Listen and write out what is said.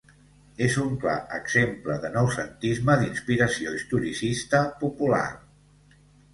És un clar exemple de noucentisme d'inspiració historicista popular.